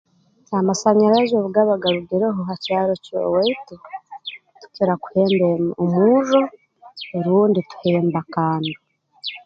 Amasanyarazi obu gaba garugireho ha kyaro ky'owaitu tukira kuhemba eeh omurro rundi tuhemba kando